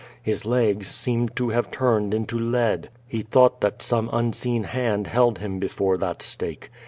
His legs seemed to have turned into lead. He thouglit that some unseen hand held him before that stake.